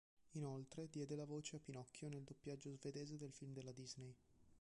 Inoltre, diede la voce a Pinocchio nel doppiaggio svedese del film della Disney.